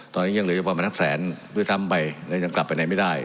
ตอนนี้ยังเหลืออยู่ประมาณแสนด้วยซ้ำไปและยังกลับไปไหนไม่ได้